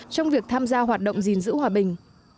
trong việc tham gia hoạt động gìn giữ hòa bình